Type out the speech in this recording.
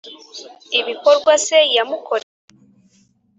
ibikorwa se yamukoreye.